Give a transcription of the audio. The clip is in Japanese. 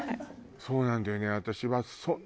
そうなんだよね。